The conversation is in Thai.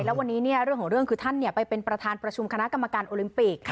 แล้ววันนี้เรื่องของเรื่องคือท่านไปเป็นประธานประชุมคณะกรรมการโอลิมปิก